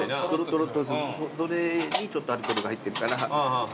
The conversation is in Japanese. それにちょっとアルコールが入ってるから。